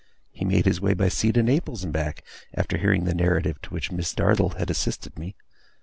He made his way by sea to Naples, and back, after hearing the narrative to which Miss Dartle had assisted me.